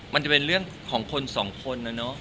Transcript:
มันจะเป็นเรื่องของคนส่องคน